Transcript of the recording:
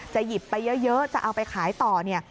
หยิบไปเยอะจะเอาไปขายต่อเนี่ย